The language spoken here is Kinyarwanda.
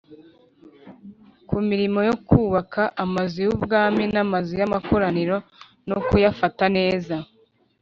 ku mirimo yo kubaka Amazu y Ubwami n Amazu y Amakoraniro no kuyafata neza